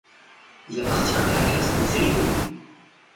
Il appartient à la classe des iridoïdes.